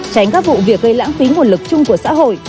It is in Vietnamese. tránh các vụ việc gây lãng phí nguồn lực chung của xã hội